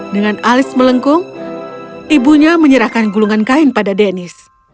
dengan alis melengkung ibunya menyerahkan gulungan kain pada denis